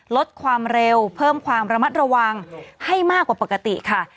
ลดความเร็วเพิ่มความระมัดระวังให้มากกว่าปกติค่ะ